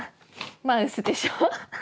マウスでしょ？